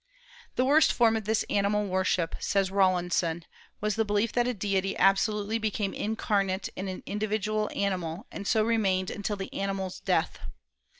"The worst form of this animal worship," says Rawlinson, "was the belief that a deity absolutely became incarnate in an individual animal, and so remained until the animal's death.